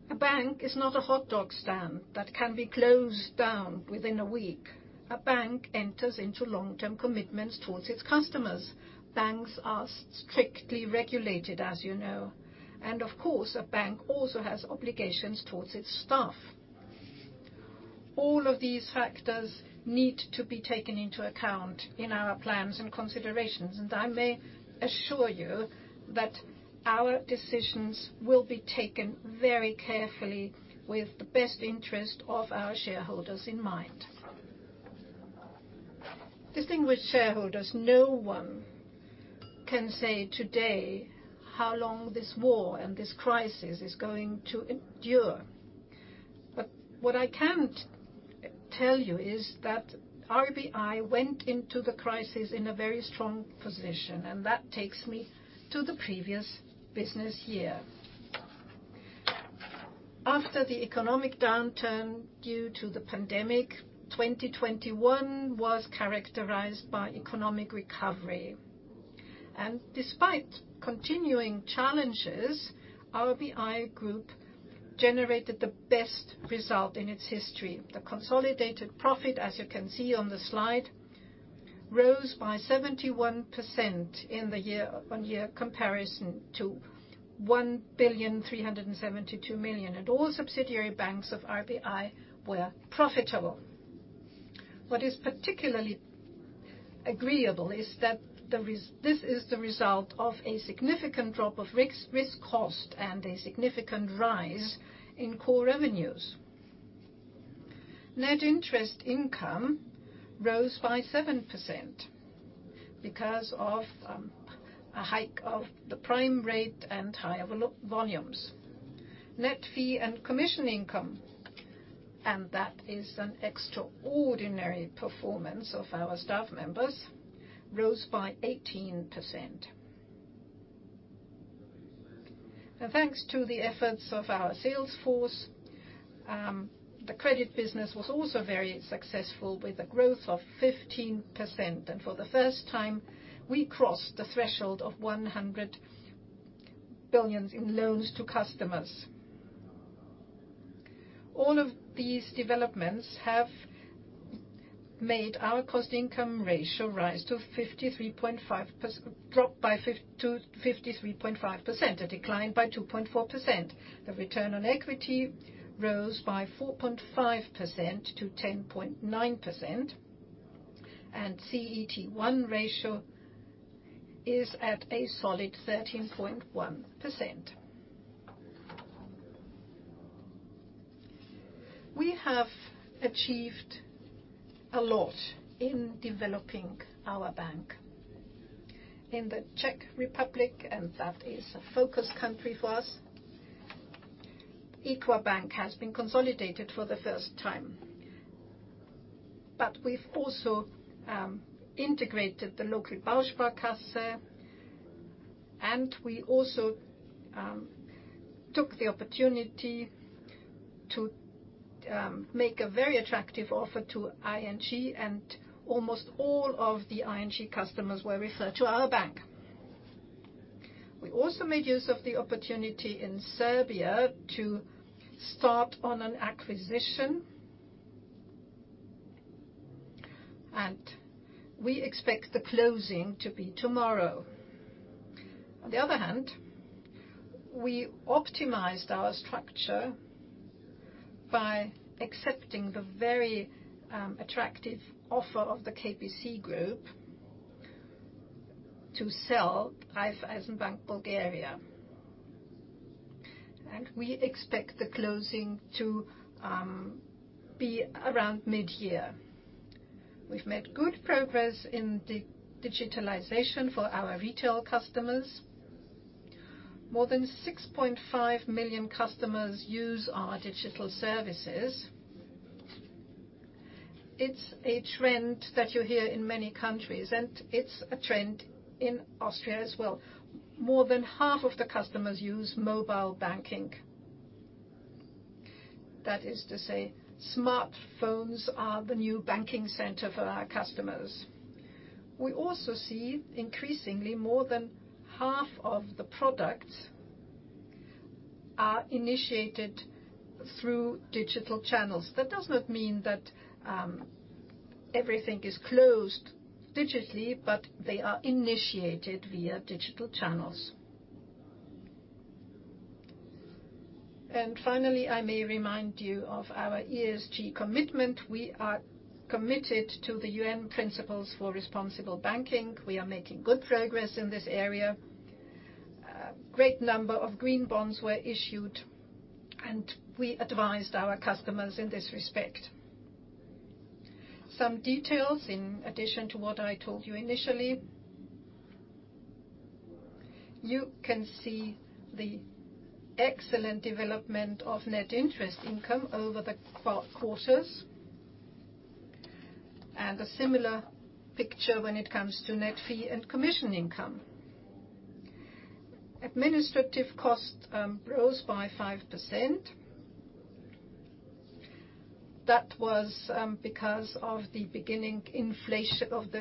A bank is not a hotdog stand that can be closed down within a week. A bank enters into long-term commitments toward its customers. Banks are strictly regulated, as you know. Of course, a bank also has obligations toward its staff. All of these factors need to be taken into account in our plans and considerations, and I may assure you that our decisions will be taken very carefully with the best interest of our shareholders in mind. Distinguished shareholders, no one can say today how long this war and this crisis is going to endure. But what I can tell you is that RBI went into the crisis in a very strong position, and that takes me to the previous business year. After the economic downturn due to the pandemic, 2021 was characterized by economic recovery. Despite continuing challenges, RBI Group generated the best result in its history. The consolidated profit, as you can see on the slide, rose by 71% in the year-on-year comparison to 1,372 million, and all subsidiary banks of RBI were profitable. What is particularly agreeable is that this is the result of a significant drop of risk cost and a significant rise in core revenues. Net interest income rose by 7% because of a hike of the prime rate and higher volumes. Net fee and commission income, and that is an extraordinary performance of our staff members, rose by 18%. Thanks to the efforts of our sales force, the credit business was also very successful with a growth of 15%. For the first time, we crossed the threshold of 100 billion in loans to customers. All of these developments have made our cost income ratio drop to 53.5%, a decline by 2.4%. The return on equity rose by 4.5% to 10.9%, and CET1 ratio is at a solid 13.1%. We have achieved a lot in developing our bank. In the Czech Republic, and that is a focus country for us, Equa Bank has been consolidated for the first time. We've also integrated the local Bausparkasse, and we also took the opportunity to make a very attractive offer to ING, and almost all of the ING customers were referred to our bank. We also made use of the opportunity in Serbia to start on an acquisition. We expect the closing to be tomorrow. On the other hand, we optimized our structure by accepting the very attractive offer of the KBC Group to sell Raiffeisenbank Bulgaria. We expect the closing to be around mid-year. We've made good progress in digitalization for our retail customers. More than 6.5 million customers use our digital services. It's a trend that you hear in many countries, and it's a trend in Austria as well. More than half of the customers use mobile banking. That is to say, smartphones are the new banking center for our customers. We also see increasingly more than half of the products are initiated through digital channels. That does not mean that, everything is closed digitally, but they are initiated via digital channels. Finally, I may remind you of our ESG commitment. We are committed to the UN Principles for Responsible Banking. We are making good progress in this area. A great number of green bonds were issued, and we advised our customers in this respect. Some details in addition to what I told you initially. You can see the excellent development of net interest income over the quarters, and a similar picture when it comes to net fee and commission income. Administrative cost rose by 5%. That was because of the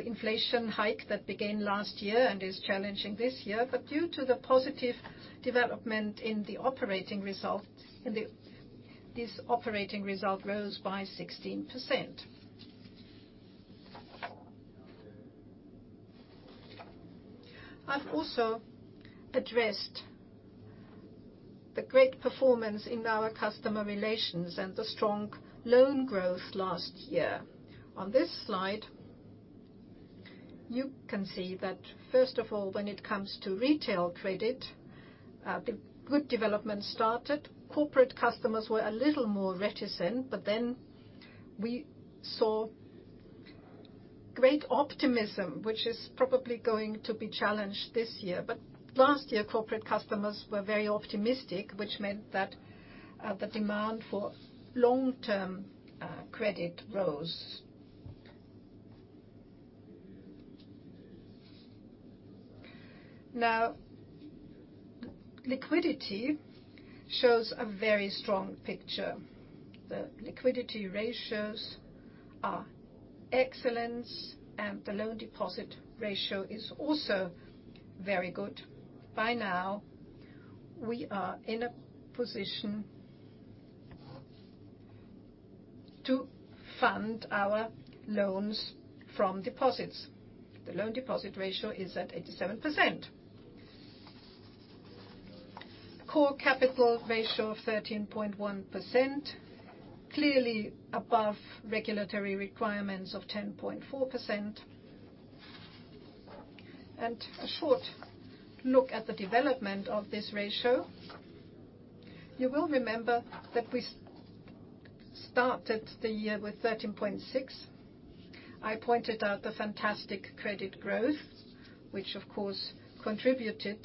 inflation hike that began last year and is challenging this year. Due to the positive development in the operating results, this operating result rose by 16%. I've also addressed the great performance in our customer relations and the strong loan growth last year. On this slide, you can see that, first of all, when it comes to retail credit, the good development started. Corporate customers were a little more reticent, but then we saw great optimism, which is probably going to be challenged this year. Last year, corporate customers were very optimistic, which meant that the demand for long-term credit rose. Now, liquidity shows a very strong picture. The liquidity ratios are excellent, and the loan deposit ratio is also very good. By now, we are in a position to fund our loans from deposits. The loan deposit ratio is at 87%. Core capital ratio of 13.1%, clearly above regulatory requirements of 10.4%. A short look at the development of this ratio. You will remember that we started the year with 13.6. I pointed out the fantastic credit growth, which of course contributed,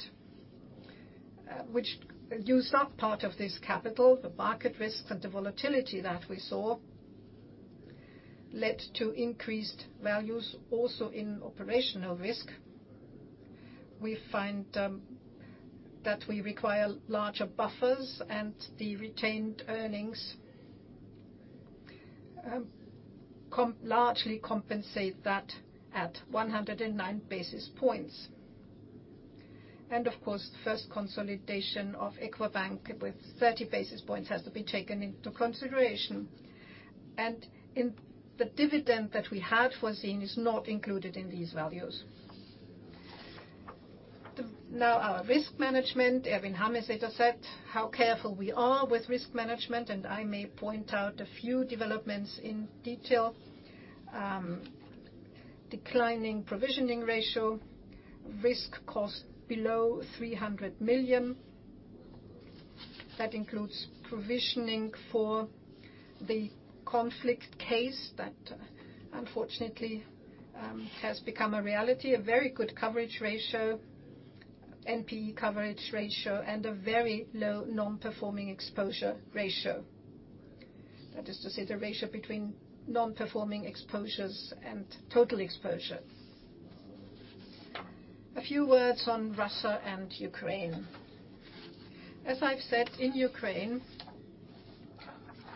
which used up part of this capital, the market risk and the volatility that we saw led to increased values also in operational risk. We find that we require larger buffers and the retained earnings largely compensate that at 109 basis points. Of course, the first consolidation of Equa bank with 30 basis points has to be taken into consideration. In the dividend that we had foreseen is not included in these values. Now our risk management, Erwin Hameseder said, how careful we are with risk management, and I may point out a few developments in detail. Declining provisioning ratio, risk cost below 300 million. That includes provisioning for the conflict case that unfortunately has become a reality, a very good coverage ratio, NPE coverage ratio, and a very low non-performing exposure ratio. That is to say the ratio between non-performing exposures and total exposure. A few words on Russia and Ukraine. As I've said in Ukraine,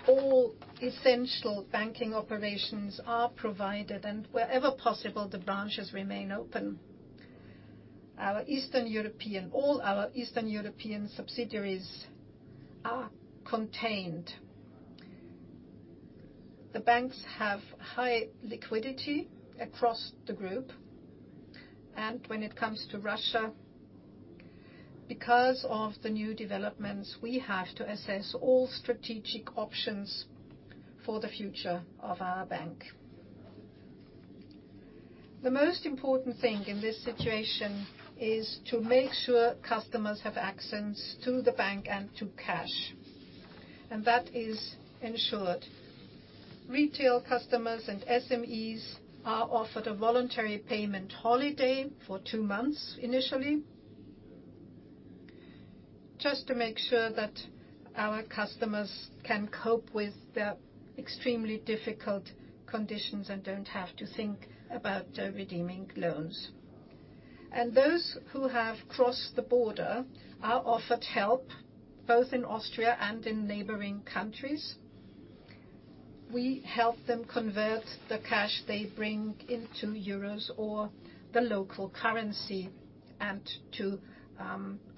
all essential banking operations are provided, and wherever possible, the branches remain open. All our Eastern European subsidiaries are contained. The banks have high liquidity across the group, and when it comes to Russia, because of the new developments, we have to assess all strategic options for the future of our bank. The most important thing in this situation is to make sure customers have access to the bank and to cash, and that is insured. Retail customers and SMEs are offered a voluntary payment holiday for two months initially. Just to make sure that our customers can cope with the extremely difficult conditions and don't have to think about redeeming loans. Those who have crossed the border are offered help, both in Austria and in neighboring countries. We help them convert the cash they bring into euros or the local currency and to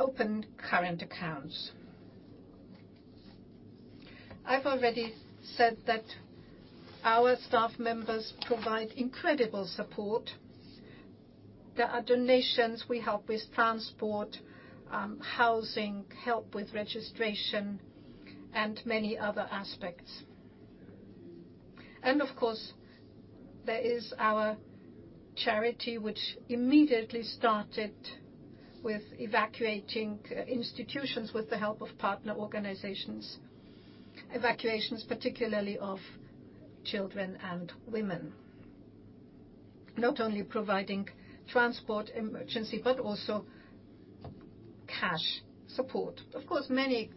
open current accounts. I've already said that our staff members provide incredible support. There are donations. We help with transport, housing, help with registration, and many other aspects. Of course, there is our charity, which immediately started with evacuating institutions with the help of partner organizations, evacuations, particularly of children and women. Not only providing transport emergency, but also cash support. Of course, many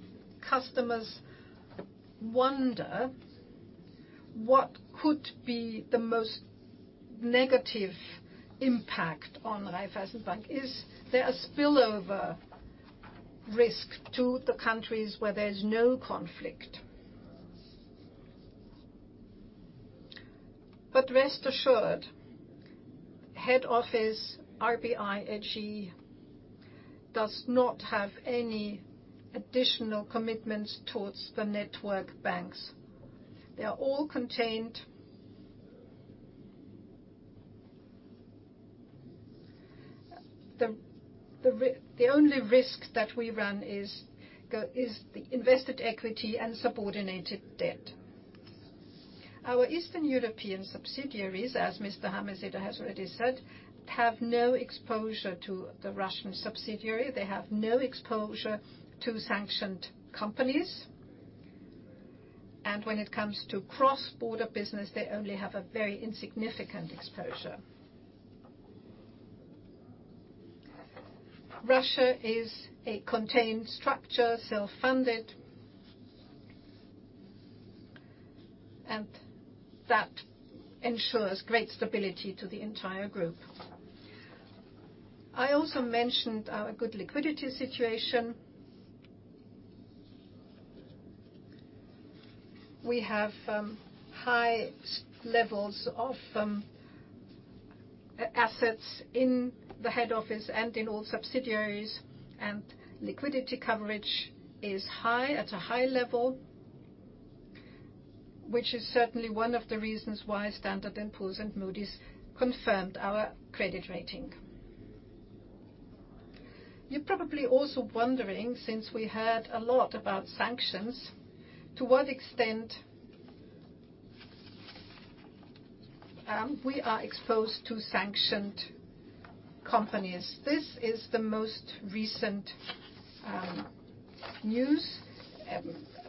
customers wonder what could be the most negative impact on Raiffeisen Bank. Is there a spillover risk to the countries where there's no conflict? Rest assured, head office RBI AG does not have any additional commitments towards the network banks. They are all contained. The only risk that we run is the invested equity and subordinated debt. Our Eastern European subsidiaries, as Mr. Hameseder has already said, have no exposure to the Russian subsidiary. They have no exposure to sanctioned companies. When it comes to cross-border business, they only have a very insignificant exposure. Russia is a contained structure, self-funded. That ensures great stability to the entire group. I also mentioned our good liquidity situation. We have high levels of assets in the head office and in all subsidiaries, and liquidity coverage is high, at a high level, which is certainly one of the reasons why Standard & Poor's and Moody's confirmed our credit rating. You're probably also wondering, since we heard a lot about sanctions, to what extent we are exposed to sanctioned companies. This is the most recent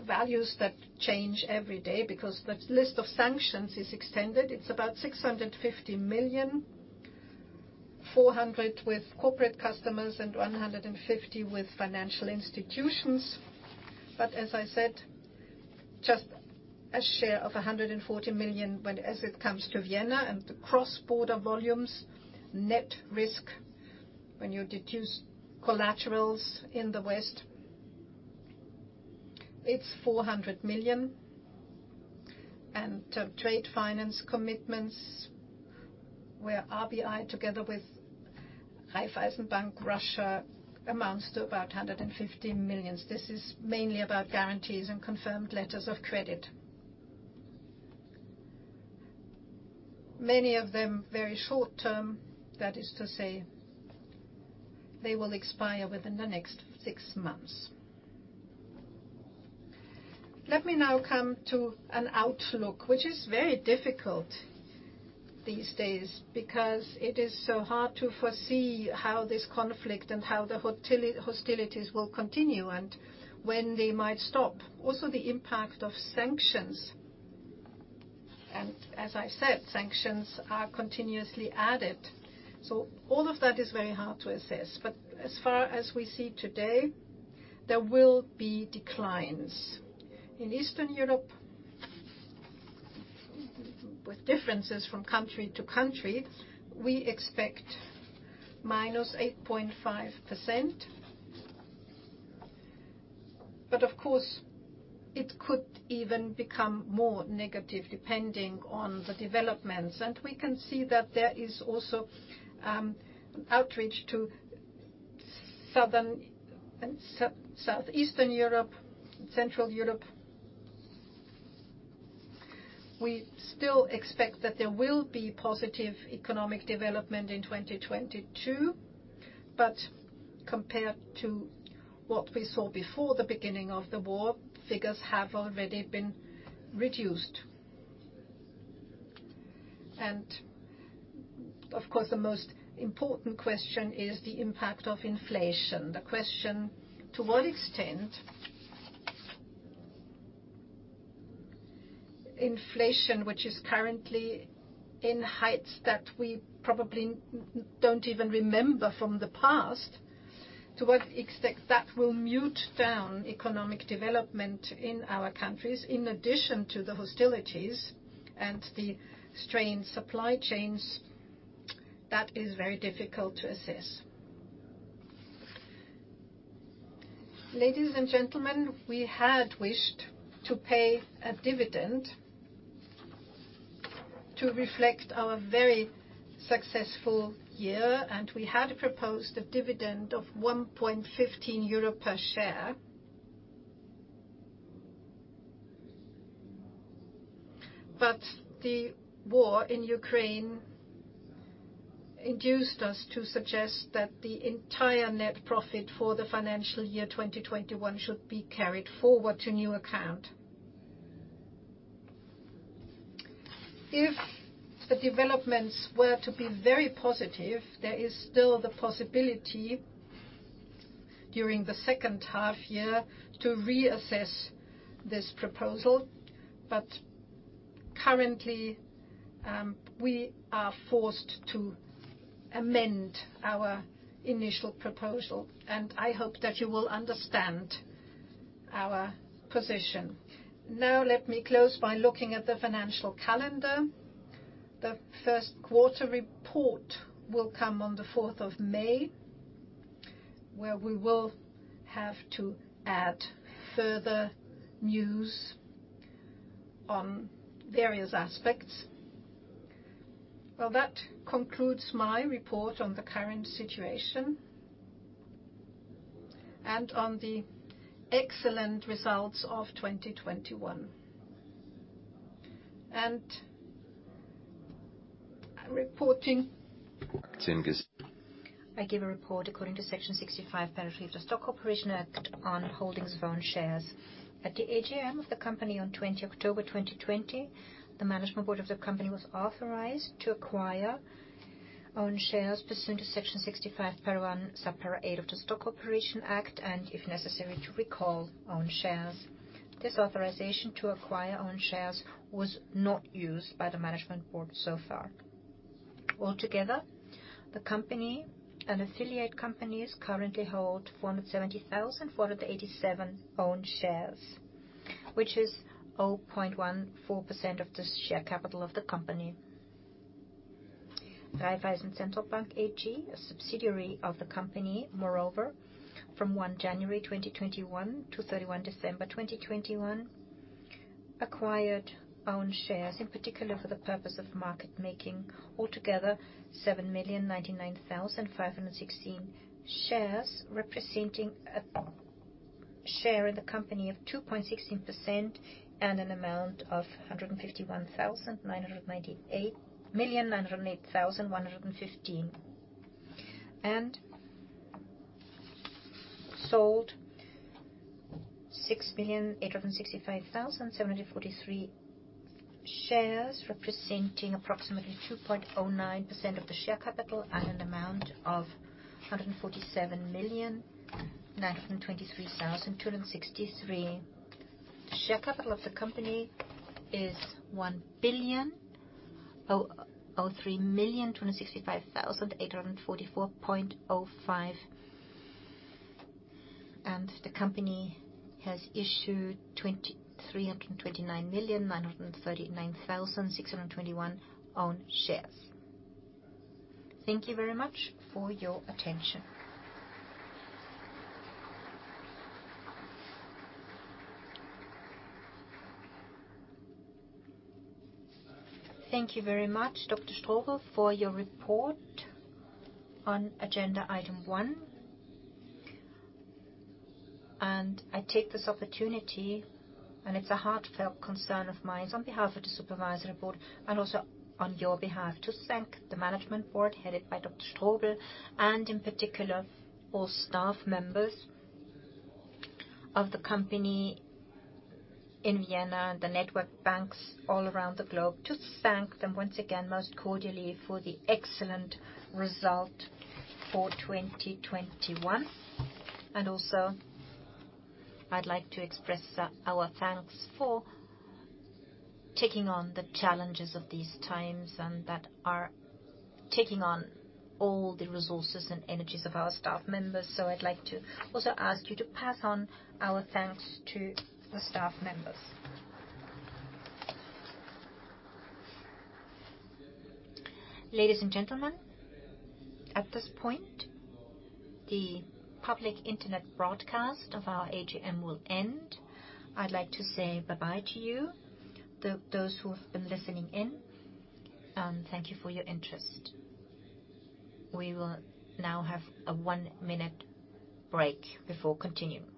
values that change every day because the list of sanctions is extended. It's about 650 million. 400 million with corporate customers and 150 million with financial institutions. As I said, just a share of 140 million when as it comes to Vienna and the cross-border volumes. Net risk, when you deduce collaterals in the West, it's EUR 400 million. Trade finance commitments, where RBI together with Raiffeisenbank Russia amounts to about 150 million. This is mainly about guarantees and confirmed letters of credit. Many of them very short-term. That is to say, they will expire within the next six months. Let me now come to an outlook, which is very difficult these days because it is so hard to foresee how this conflict and how the hostilities will continue and when they might stop. Also, the impact of sanctions. As I said, sanctions are continuously added. All of that is very hard to assess, but as far as we see today, there will be declines. In Eastern Europe, with differences from country to country, we expect -8.5%. Of course, it could even become more negative depending on the developments. We can see that there is also outreach to southern and southeastern Europe, Central Europe. We still expect that there will be positive economic development in 2022, but compared to what we saw before the beginning of the war, figures have already been reduced. Of course, the most important question is the impact of inflation. The question, to what extent inflation, which is currently in heights that we probably don't even remember from the past, to what extent that will mute down economic development in our countries, in addition to the hostilities and the strained supply chains, that is very difficult to assess. Ladies and gentlemen, we had wished to pay a dividend to reflect our very successful year, and we had proposed a dividend of 1.15 euro per share. The war in Ukraine induced us to suggest that the entire net profit for the financial year 2021 should be carried forward to new account. If the developments were to be very positive, there is still the possibility during the second half year to reassess this proposal. Currently, we are forced to amend our initial proposal, and I hope that you will understand our position. Now let me close by looking at the financial calendar. The first quarter report will come on the fourth of May, where we will have to add further news on various aspects. Well, that concludes my report on the current situation and on the excellent results of 2021. I'm reporting. I give a report according to Section 65, paragraph 3 of the Stock Corporation Act on holdings of own shares. At the AGM of the company on 20 October 2020, the management board of the company was authorized to acquire own shares pursuant to Section 65, paragraph 1, subparagraph 8 of the Stock Corporation Act, and if necessary, to recall own shares. This authorization to acquire own shares was not used by the management board so far. Altogether, the company and affiliate companies currently hold 470,487 own shares, which is 0.14% of the share capital of the company. Raiffeisen Zentralbank Österreich AG, a subsidiary of the company, moreover, from 1 January 2021 to 31 December 2021, acquired own shares, in particular for the purpose of market making, altogether 7,099,516 shares, representing a share in the company of 2.16% and an amount of EUR 151,998,908,115. Sold 6,865,743 shares, representing approximately 2.09% of the share capital and an amount of 147,923,263. Share capital of the company is 1,003,265,844.05. The company has issued 2,329,939,621 own shares. Thank you very much for your attention. Thank you very much, Dr. Strobl, for your report on agenda item one. I take this opportunity, and it's a heartfelt concern of mine is on behalf of the supervisory board and also on your behalf, to thank the management board headed by Dr. Strobl, and in particular, all staff members of the company in Vienna, the network banks all around the globe, to thank them once again most cordially for the excellent result for 2021. Also, I'd like to express our thanks for taking on the challenges of these times and that are taking on all the resources and energies of our staff members. I'd like to also ask you to pass on our thanks to the staff members. Ladies and gentlemen, at this point, the public internet broadcast of our AGM will end. I'd like to say bye-bye to you. Those who have been listening in, thank you for your interest. We will now have a one-minute break before continuing.